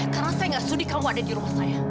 karena saya gak sudi kamu ada di rumah saya